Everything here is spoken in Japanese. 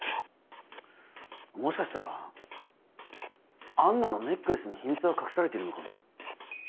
もしかしたらアンナのネックレスに秘密が隠されてるのかも。